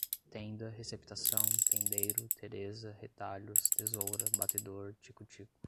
tenda, receptação, tendeiro, teresa, retalhos, tesoura, batedor, tico-tico